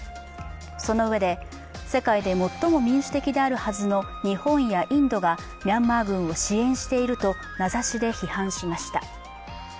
そのうえで世界で最も民主的であるはずの日本やインドがミャンマー軍を支援していると名指して批判しました。